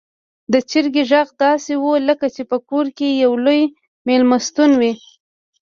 د چرګې غږ داسې و لکه چې په کور کې يو لوی میلمستون دی.